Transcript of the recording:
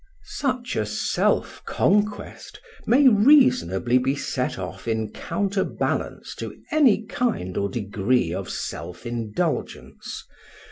Such a self conquest may reasonably be set off in counterbalance to any kind or degree of self indulgence.